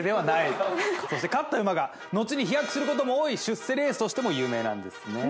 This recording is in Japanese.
そして勝った馬が後に飛躍することも多い出世レースとしても有名なんですね